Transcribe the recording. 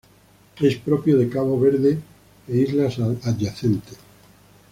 Es propio de Cabo Verde e islas adyacentes.